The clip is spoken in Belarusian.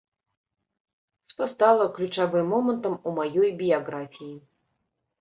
Што стала ключавым момантам у маёй біяграфіі.